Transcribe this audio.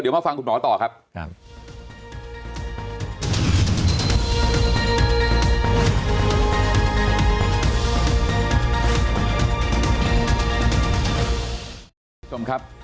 เดี๋ยวมาฟังคุณหมอต่อครับ